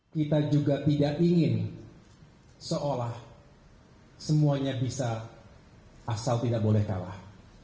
kita juga tidak ingin seolah semuanya bisa asal tidak boleh kalah